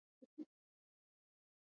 هرات د افغانستان د اقتصاد برخه ده.